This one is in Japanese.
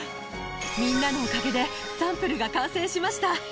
みんなのおかげでサンプルが完成しました。